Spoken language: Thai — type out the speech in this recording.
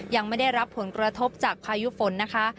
ยังไม่ได้รับผลกระทบจากพายุฝนนะคะ